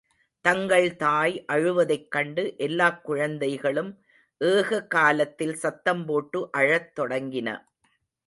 தங்கள் தாய் அழுவதைக் கண்டு, எல்லாக் குழந்தைகளும் ஏக காலத்தில் சத்தம் போட்டு அழத் தொடங்கின.